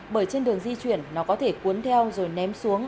bởi trên đường di chuyển nó có thể cuốn theo rồi ném xuống